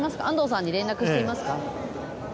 安藤さんに連絡してみますか？